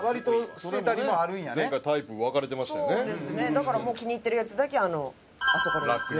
だから気に入ってるやつだけあそこに全部。